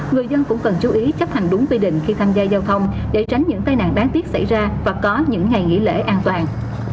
người dân cũng cần chú ý chấp hành đúng quy định khi tham gia giao thông để tránh những tai nạn đáng tiếc xảy ra và có những ngày nghỉ lễ an toàn